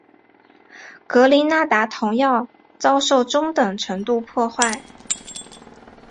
格林纳达同样遭受中等程度破坏。